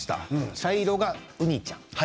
茶色がウニちゃん